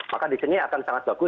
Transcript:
maka disini akan sangat bagus